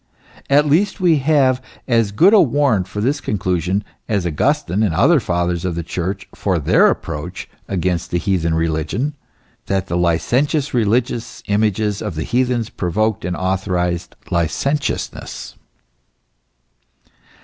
At least w r e have as good a warrant for this conclusion as Augustine and other fathers of the church for their reproach against the heathen religion, that the licentious religious images of the heathens provoked and authorized licentiousness.